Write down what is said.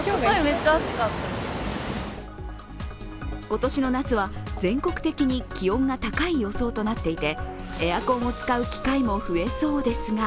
今年の夏は全国的に気温が高い予想となっていてエアコンを使う機会も増えそうですが